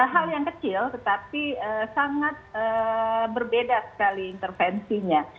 hal yang kecil tetapi sangat berbeda sekali intervensinya